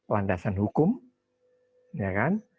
landasan hukum ya kan